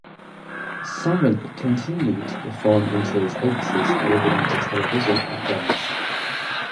Sarony continued to perform into his eighties, moving on to television and films.